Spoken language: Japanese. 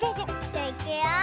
じゃあいくよ！